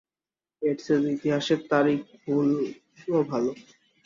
এর চেয়ে যে ইতিহাসের তারিখ ভুলও ভালো।